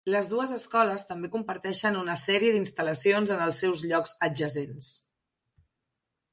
Les dues escoles també comparteixen una sèrie d'instal·lacions en els seus llocs adjacents.